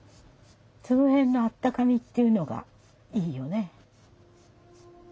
その辺のあったかみっていうのがいいよね。